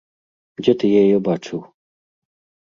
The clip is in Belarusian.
Дзе ты яе бачыў?